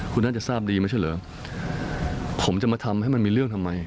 คุณน่าจะทราบดีไม่ใช่เหรอผมจะมาทำให้มันมีเรื่องทำไม